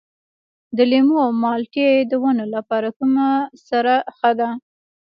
د لیمو او مالټې د ونو لپاره کومه سره ښه ده؟